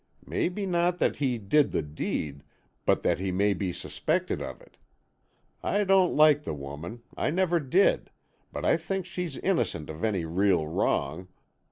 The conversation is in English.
Maybe not that he did the deed, but that he may be suspected of it. I don't like the woman, I never did, but I think she's innocent of any real wrong.